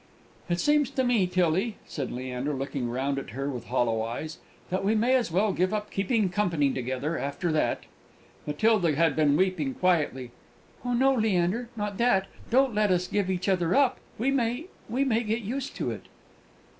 "It seems to me, Tillie," said Leander, looking round at her with hollow eyes, "that we may as well give up keeping company together, after that!" Matilda had been weeping quietly. "Oh no, Leander, not that! Don't let us give each other up: we may we may get used to it!"